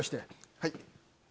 はい。